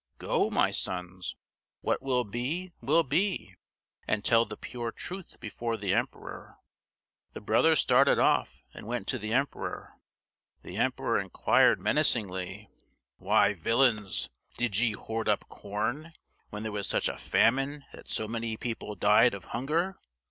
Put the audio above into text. "Go, my sons what will be, will be; and tell the pure truth before the emperor." The brothers started off and went to the emperor. The emperor inquired menacingly: "Why, villains, did ye hoard up corn, when there was such a famine that so many people died of hunger?